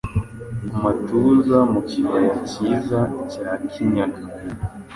amutuza mu kibaya cyiza cya Kinyaga.